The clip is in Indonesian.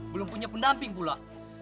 belum punya pendamping pula